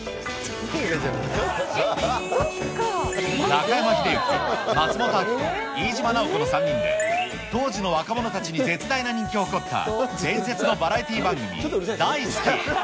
中山秀征、松本明子、飯島直子の３人で、当時の若者たちに絶大な人気を誇った伝説のバラエティー番組、ダイスキ！